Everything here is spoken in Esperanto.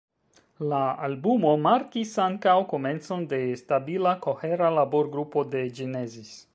La albumo markis ankaŭ komencon de stabila, kohera laborgrupo de Genesis.